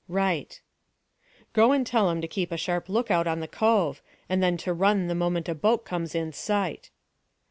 "Right." "Go and tell 'em to keep a sharp look out in the cove, and then to run the moment a boat comes in sight."